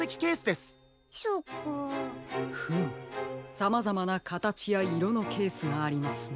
さまざまなかたちやいろのケースがありますね。